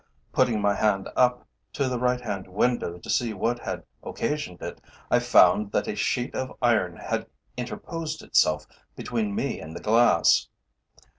Putting my hand up to the right hand window to see what had occasioned it, I found that a sheet of iron had interposed itself between me and the glass.